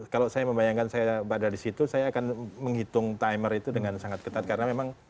kalau saya membayangkan saya berada di situ saya akan menghitung timer itu dengan sangat ketat karena memang